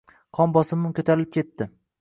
Qon bosimim ko'tarilib ketdi.